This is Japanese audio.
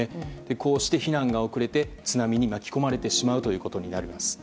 こうして避難が遅れて津波に巻き込まれてしまうことになります。